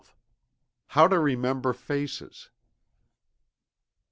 HOW TO REMEMBER FACES.